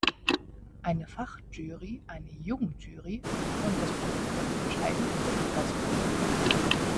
Eine Fachjury, eine Jugendjury und das Publikum entscheiden über die Preisvergabe.